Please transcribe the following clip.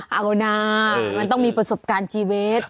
เอานะมันต้องมีประสบการณ์ชีวิต